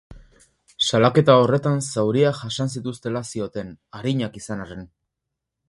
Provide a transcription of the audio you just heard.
Salaketa horretan zauriak jasan zituztela zioten, arinak izan arren.